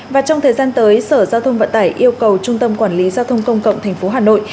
và trong thời gian tới sở giao thông vận tải yêu cầu trung tâm quản lý giao thông công cộng tp hà nội